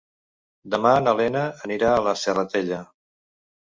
Demà na Lena anirà a la Serratella.